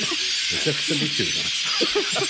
めちゃくちゃ元気じゃないですか。